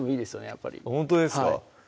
やっぱりほんとですか？